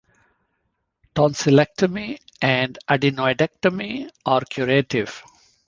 Tonsillectomy and adenoidectomy are curative.